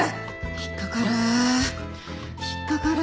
引っかかる引っかかる。